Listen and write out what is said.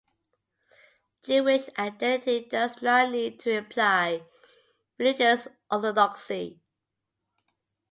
Jewish identity does not need to imply religious orthodoxy.